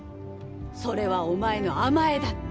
「それはお前の甘えだ」って。